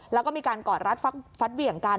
แล้วก็มีการกอดรัดฟัดเหวี่ยงกัน